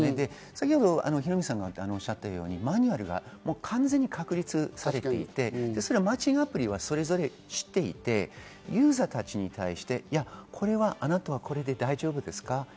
先ほどヒロミさんがおっしゃったように、マニュアルが完全に確立されていて、マッチングアプリはそれぞれ知っていて、ユーザー達に対してこれは、あなたはこれで大丈夫ですか？